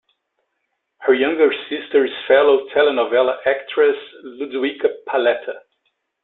Her younger sister is fellow telenovela actress Ludwika Paleta.